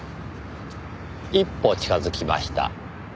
一歩近づきました。